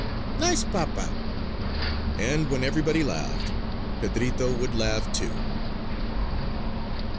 Nice papa!" And when everybody laughed, Pedrito would laugh too.